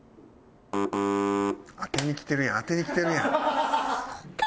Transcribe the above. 当てにきてるやん当てにきてるやん。